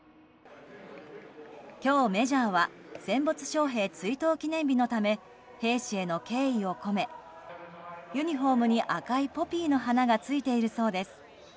今日、メジャーは戦没将兵追悼記念日のため兵士への敬意を込めユニホームに赤いポピーの花がついているそうです。